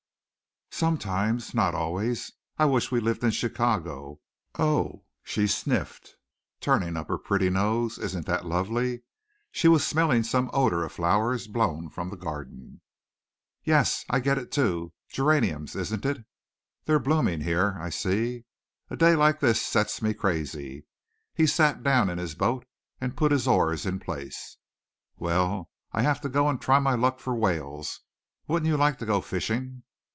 "Sometimes, not always. I wish we lived in Chicago. O oh!" she sniffed, turning up her pretty nose, "isn't that lovely!" She was smelling some odor of flowers blown from a garden. "Yes, I get it too. Geraniums, isn't it? They're blooming here, I see. A day like this sets me crazy." He sat down in his boat and put his oars in place. "Well, I have to go and try my luck for whales. Wouldn't you like to go fishing?"